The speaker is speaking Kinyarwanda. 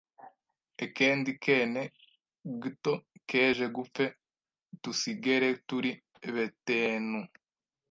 ekendi kene gto keje gupfe dusigere turi betenu